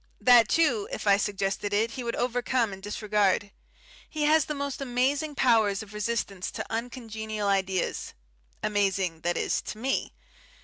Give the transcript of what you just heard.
That, too, if I suggested it, he would overcome and disregard. He has the most amazing power of resistance to uncongenial ideas; amazing that is, to me.